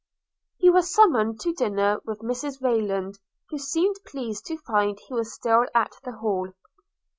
He was summoned to dinner with Mrs Rayland, who seemed pleased to find he was still at the Hall.